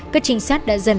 các trình sát đã dần